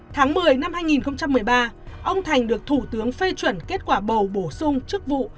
tháng một mươi năm hai nghìn một mươi ba ông thành được thủ tướng phê chuẩn kết quả bầu bổ sung chức vụ